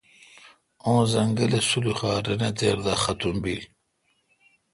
اں زنگلہ سلوخار رنے تیر دا ختم بیل۔